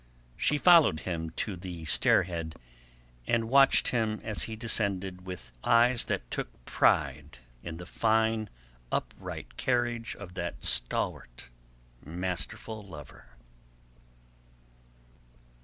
She followed him to the stair head, and watched him as he descended with eyes that took pride in the fine upright carriage of that stalwart, masterful lover.